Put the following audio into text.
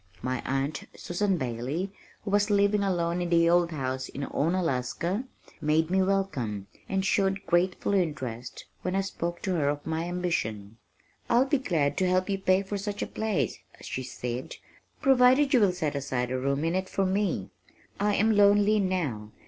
My aunt, Susan Bailey, who was living alone in the old house in Onalaska made me welcome, and showed grateful interest when I spoke to her of my ambition. "I'll be glad to help you pay for such a place," she said, "provided you will set aside a room in it for me. I am lonely now.